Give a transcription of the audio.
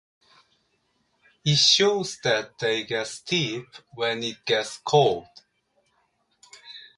It shows that they get stiff when it gets cold.